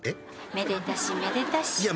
「めでたしめでたし」いや。